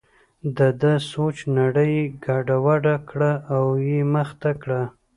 دده د سوچ نړۍ یې ګډه وډه کړه او یې مخه کړه.